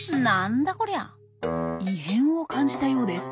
異変を感じたようです。